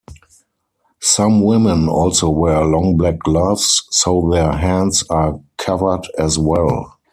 Some women also wear long black gloves, so their hands are covered as well.